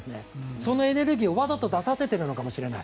そのエネルギーをわざと出させているかもしれない。